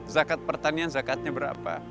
zakat pertanian zakatnya berapa